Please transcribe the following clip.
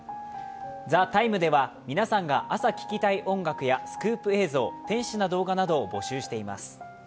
「ＴＨＥＴＩＭＥ，」では、皆さんが見たい映像やスクープ映像、天使な動画などを募集しています。